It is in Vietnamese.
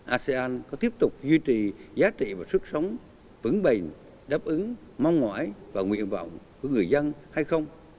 asean có tiếp tục duy trì giá trị và sức sống vững bền đáp ứng mong ngoại và nguyện vọng của người dân hay không